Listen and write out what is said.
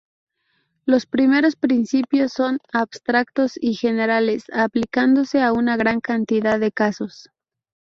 Los primeros principios son abstractos y generales, aplicándose a una gran cantidad de casos.